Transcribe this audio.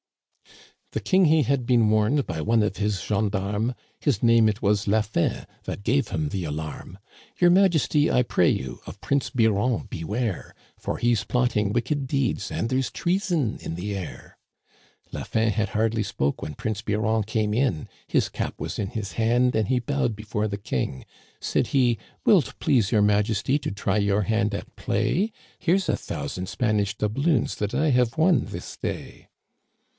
251 " The king he had been warned by one of his gens d*armes, (His name it was La Fin, that gave him the alarm,) * Your Majesty, I pray you, of Prince Biron beware, For he's plotting wicked deeds, and there's treason in the air/ " La Fin had hardly spoke when Prince Biron came in, His cap was in his hand, and he bowed before the king. Said he ;* Will't please Your Majesty to try your hand at play ? Here's a thousand Spanish doubloons that I have won this day.'